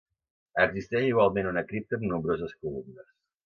Existeix igualment una cripta amb nombroses columnes.